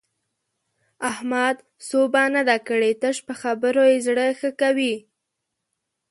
احمد سوبه نه ده کړې؛ تش په خبرو يې زړه ښه کوي.